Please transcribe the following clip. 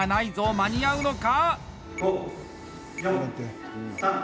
間に合うのか！？